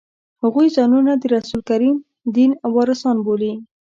هغوی ځانونه د رسول کریم دین وارثان بولي.